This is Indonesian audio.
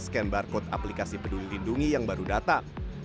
scan barcode aplikasi peduli lindungi yang baru datang